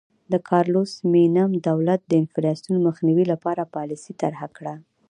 د کارلوس مینم دولت د انفلاسیون مخنیوي لپاره پالیسي طرحه کړه.